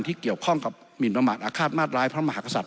ที่เกี่ยวข้องกับหมินประมาทอาฆาตมาตร้ายพระมหากษัตริย